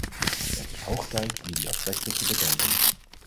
Het is hoog tijd om die aspecten te bekijken.